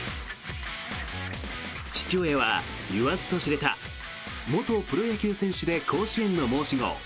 父親は言わずと知れた元プロ野球選手で甲子園の申し子